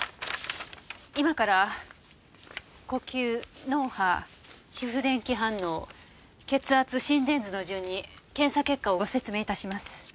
今から呼吸脳波皮膚電気反応血圧心電図の順に検査結果をご説明致します。